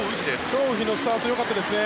チョウ・ウヒのスタートよかったですね。